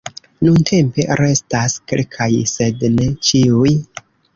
Nuntempe restas kelkaj sed ne ĉiuj.